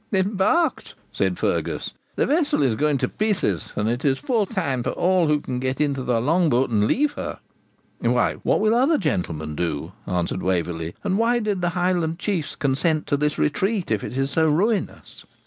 'Embarked?' said Fergus; 'the vessel is going to pieces, and it is full time for all who can to get into the long boat and leave her.' 'Why, what will other gentlemen do?' answered Waverley, 'and why did the Highland Chiefs consent to this retreat if it is so ruinous?'